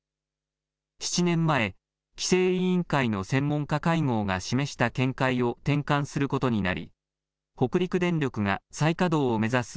７年前、規制委員会の専門家会合が示した見解を転換することになり、北陸電力が再稼働を目指す